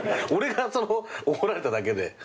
俺が怒られただけで。